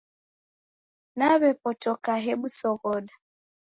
Naw'epotoka hebu soghoda